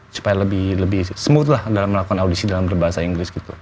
supaya lebih smooth lah dalam melakukan audisi dalam berbahasa inggris gitu